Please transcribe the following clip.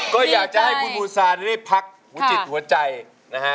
ก็อยากจะให้คุณบูซานได้พักหัวจิตหัวใจนะฮะ